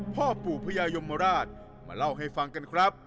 พ่อปู่พญายมราชมาเล่าให้ฟังกันครับ